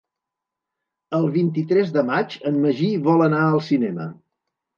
El vint-i-tres de maig en Magí vol anar al cinema.